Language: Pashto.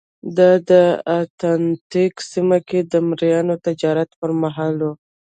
دا د اتلانتیک سیمه کې د مریانو تجارت پرمهال وه.